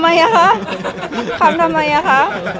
ทำไมอ่ะคะทำทำไมอ่ะคะ